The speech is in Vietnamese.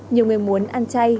nhiều người muốn ăn chay